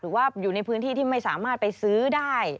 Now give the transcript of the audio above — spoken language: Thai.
หรือว่าอยู่ในพื้นที่ที่ไม่สามารถไปซื้อได้